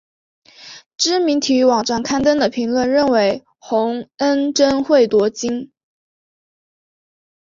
知名体育网站刊登的评论认为洪恩贞会夺金。